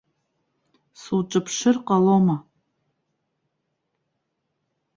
Суҿыԥшыр ҟалома?